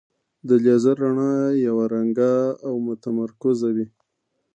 د لیزر رڼا یو رنګه او متمرکزه وي.